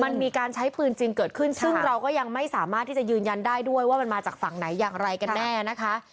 มันมีการใช้ปืนจริงเกิดขึ้นซึ่งเราก็ยังไม่สามารถที่จะยืนยันได้ด้วยว่ามันมาจากฝั่งไหนอย่างไรกันแน่นะคะ